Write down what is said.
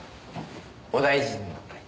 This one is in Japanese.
お大事に。